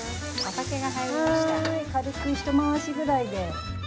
軽く１回しぐらいで。